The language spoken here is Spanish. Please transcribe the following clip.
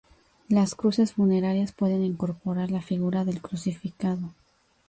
Las cruces funerarias pueden incorporar la figura del Crucificado.